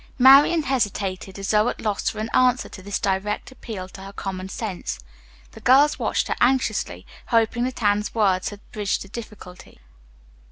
Marian hesitated as though at loss for an answer to this direct appeal to her common sense. The girls watched her anxiously, hoping that Anne's words had bridged the difficulty.